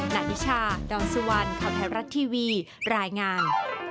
นานิชาดอนสุวรรณข่าวไทยรัฐทีวีรายงาน